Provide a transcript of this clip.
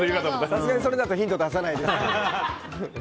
さすがにそれだとヒント出さないです。